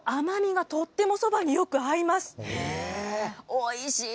おいしい。